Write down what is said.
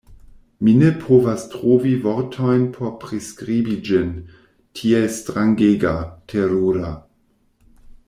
Mi ne povas trovi vortojn por priskribi ĝin, tiel strangega, terura!